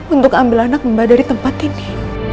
untuk ambil anak mbak dari tempat ini